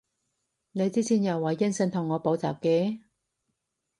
你之前又話應承同我補習嘅？